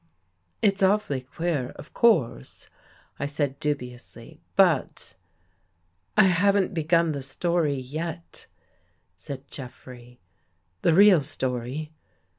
" It's awfully queer, of course," I said dubiously, " but. .." I haven't begun the story yet," said Jeffrey, " the real story.